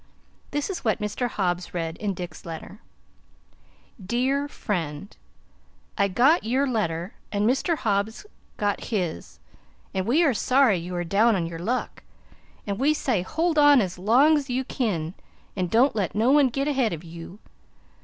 This is what Mr. Hobbs read in Dick's letter: "DERE FREND: i got ure letter an Mr. Hobbs got his an we are sory u are down on ure luck an we say hold on as longs u kin an dont let no one git ahed of u.